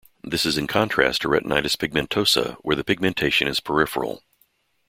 This is in contrast to retinitis pigmentosa where the pigmentation is peripheral.